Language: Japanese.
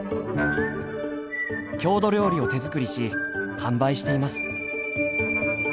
郷土料理を手作りし販売しています。